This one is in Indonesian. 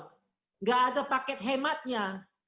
tidak ada paket hematnya